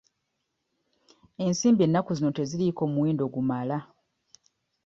Ensimbi ennaku zino teziriiko muwendo gumala.